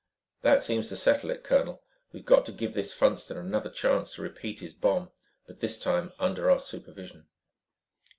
"That seems to settle it, colonel. We've got to give this Funston another chance to repeat his bomb. But this time under our supervision."